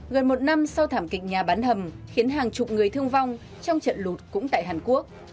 gần một năm sau thảm kịch nhà bán hầm khiến hàng chục người thương vong trong trận lụt cũng tại hàn quốc